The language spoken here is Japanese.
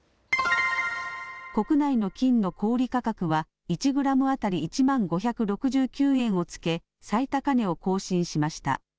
国内の金の小売価格は１グラム当たり１万５６９円をつけ最高値を更新しました。